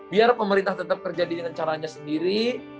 biar pemerintah tetap kerja dengan caranya sendiri